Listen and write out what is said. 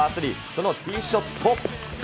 そのティーショット。